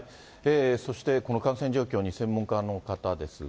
そしてこの感染状況に専門家の方ですが。